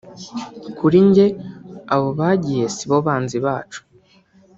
kurijye abo bagiye sibo banzi bacu